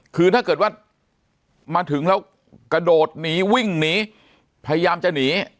คือถ้าเกิดว่ามาถึงแล้วกระโดดหนีวิ่งหนีพยายามจะหนี